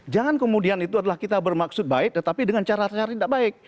jangan kemudian itu adalah kita bermaksud baik tetapi dengan cara cara yang tidak baik